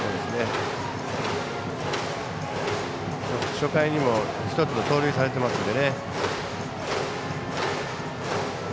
初回にも１つ盗塁されていますので。